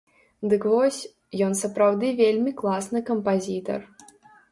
Дык вось, ён сапраўды вельмі класны кампазітар.